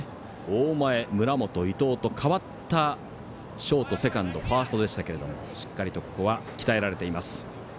大前、村本、伊藤と代わったショート、セカンドファーストでしたけれどもしっかりとここは鍛えられています。